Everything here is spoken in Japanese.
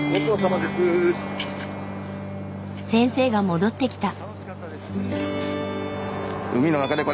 先生が戻ってきた。